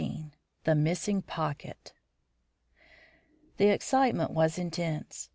XV THE MISSING POCKET The excitement was intense.